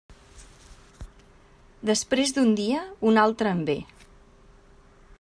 Després d'un dia, un altre en ve.